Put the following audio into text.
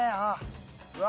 うわ